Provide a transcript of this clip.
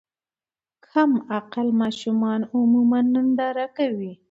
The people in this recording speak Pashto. کم عقل ماشومان عموماً ننداره کوي.